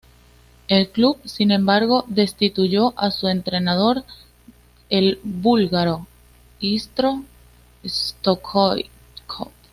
El club, sin embargo destituyó a su entrenador, el búlgaro Hristo Stoichkov.